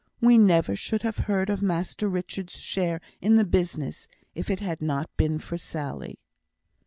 We never should have heard of Master Richard's share in the business if it had not been for Sally."